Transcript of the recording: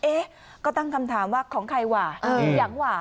เอ๊ะก็ตั้งคำถามว่าของใครว่ะอยู่อย่างว่ะ